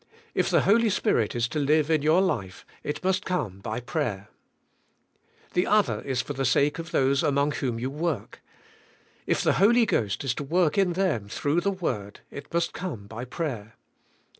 If the Holy Spirit is to live in your life it must come by prayer. The other is for the sake of those among whom you work. If the Holy Ghost is to work in them through the word it must come by prayer.